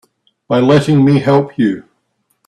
By letting me help you.